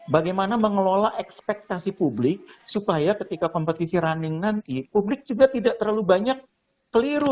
bagaimana mengelola ekspektasi publik supaya ketika kompetisi running nanti publik juga tidak terlalu banyak keliru